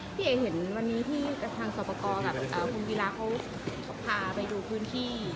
พี่เห็นวันนี้ทางสอบกรพรุ่งเวลาเขาพาไปดูพื้นที่